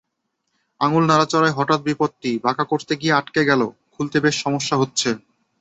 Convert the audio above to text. আঙুল নড়াচড়ায় হঠাৎ বিপত্তি, বাঁকা করতে গিয়ে আটকে গেল, খুলতে বেশ সমস্যা হচ্ছে।